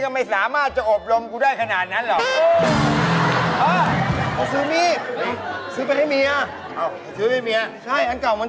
ผมไม่ได้ช่างกลมผมช่างไฟ